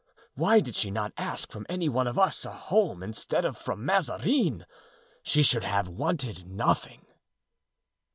Why did she not ask from any one of us a home instead of from Mazarin? She should have wanted nothing."